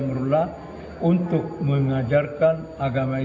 melambangkan empat buah tiang yang berdiri